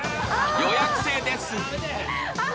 予約制です。